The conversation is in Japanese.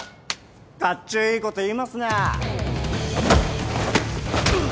かっちょいいこと言いますな！